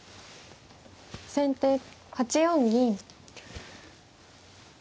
先手８四銀。